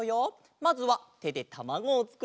まずはてでたまごをつくって。